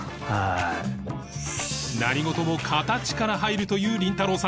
何事も形から入るというりんたろー。